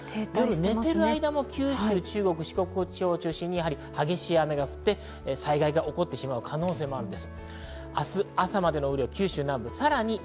寝ている間も九州、中国、四国地方、激しい雨が降って災害が起こってしまう可能性もあります。